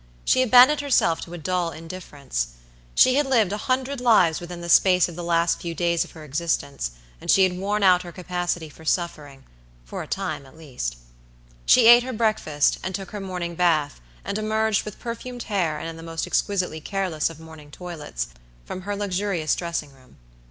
She abandoned herself to a dull indifference. She had lived a hundred lives within the space of the last few days of her existence, and she had worn out her capacity for sufferingfor a time at least. She ate her breakfast, and took her morning bath, and emerged, with perfumed hair and in the most exquisitely careless of morning toilets, from her luxurious dressing room.